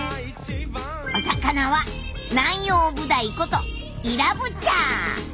お魚はナンヨウブダイことイラブチャー！